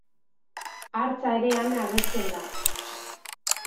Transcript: Hartza ere han agertzen da.